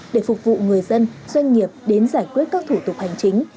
để phục vụ người dân doanh nghiệp đến giải quyết các thủ tục hành chính